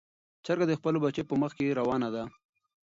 چرګه د خپلو بچیو په مخ کې روانه ده.